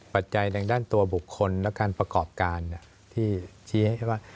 ปัจจัยดั่งด้านตัวบุคคลและการประกอบการน่ะ